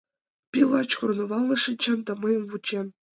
Пий лач корнывалне шинчен да мыйым вучен.